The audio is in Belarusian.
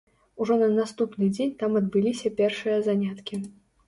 Ужо на наступны дзень там адбыліся першыя заняткі.